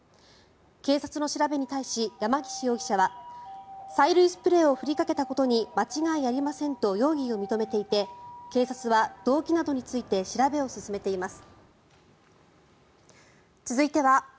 警察の調べに対し、山岸容疑者は催涙スプレーを振りかけたことに間違いありませんと容疑を認めていて警察は動機などについて調べを進めています。